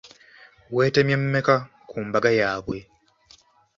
Weetemye mmeka ku mbaga yaabwe?